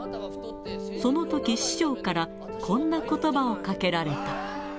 そのとき、師匠から、こんなことばをかけられた。